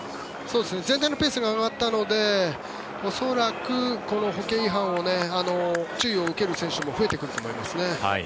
全体のペースが上がったので恐らく、この歩型違反の注意を受ける選手も増えてくると思いますね。